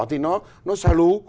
thì nó xa lú